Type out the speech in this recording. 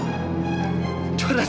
kamu juara satu